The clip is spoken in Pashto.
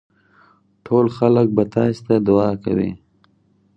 ټول خلک به تاسي ته دعا کوي.